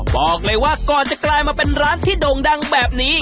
บอกเลยว่าก่อนจะกลายมาเป็นร้านที่โด่งดังแบบนี้